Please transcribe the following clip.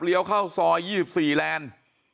เลี้ยวเข้าซอย๒๔แลนด์